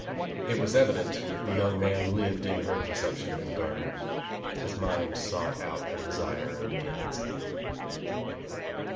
It was evident the young maa lived in her conception of the garden. His mind sought out her desire and gave itself.